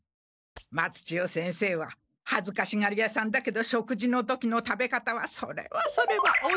松千代先生ははずかしがり屋さんだけど食事の時の食べ方はそれはそれはお上品で。